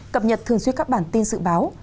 cập nhật thường suy các bản tin dự báo